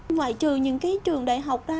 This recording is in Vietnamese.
ngoài trừ những cái trường đại học ra